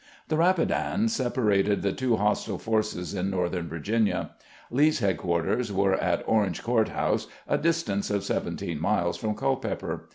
The Rapidan separated the two hostile forces in northern Virginia. Lee's headquarters were at Orange Court house, a distance of seventeen miles from Cul peper.